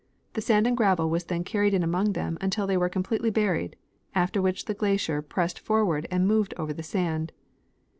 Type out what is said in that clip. The sand and gravel Avas then carried in among them until they were com pletely buried, after which the glacier pressed forward and moved over the sand.